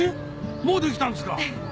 もう出来たんですか！